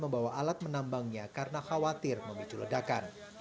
membawa alat menambangnya karena khawatir memicu ledakan